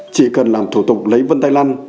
chỉ cần làm thủ tục lấy vân tay lăn